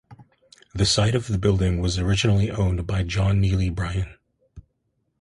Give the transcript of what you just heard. The site of the building was originally owned by John Neely Bryan.